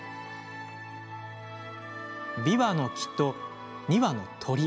びわの木と２羽の鳥。